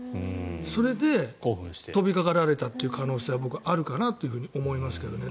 それで飛びかかられたという可能性は僕はあるかなと思いますけどね。